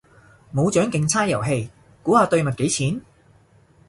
冇獎競猜遊戲，估下對襪幾錢？